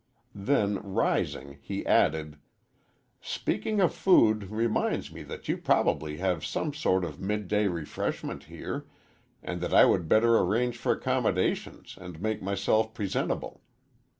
Then, rising, he added, "Speaking of food reminds me that you probably have some sort of midday refreshment here, and that I would better arrange for accommodations and make myself presentable.